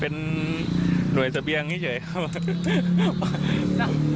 เป็นหน่วยเสบียงเฉยครับ